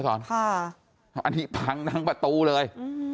อันนี้พังทั้งประตูเลย